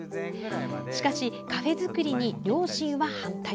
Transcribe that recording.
しかし、カフェ作りに両親は反対。